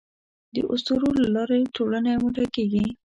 د اسطورو له لارې ټولنه یو موټی کېږي.